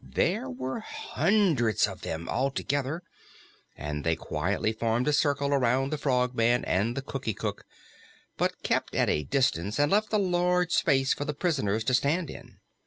There were hundreds of them, altogether, and they quietly formed a circle around the Frogman and the Cookie Cook, but kept at a distance and left a large space for the prisoners to stand in.